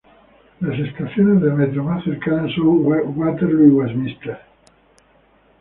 Las estaciones de metro más cercanas son Waterloo y Westminster.